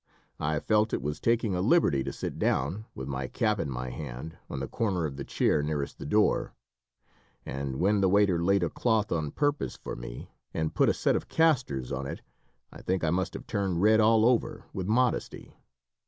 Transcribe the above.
I felt it was taking a liberty to sit down, with my cap in my hand, on the corner of the chair nearest the door; and when the waiter laid a cloth on purpose for me, and put a set of casters on it, I think I must have turned red all over with modesty.